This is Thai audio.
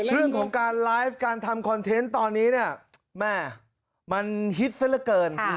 เรื่องของการไลฟ์การทำคอนเทนต์ตอนนี้เนี่ยแม่มันฮิตซะละเกิน